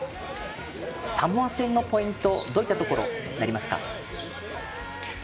サモア戦のポイントどういったところになりますか？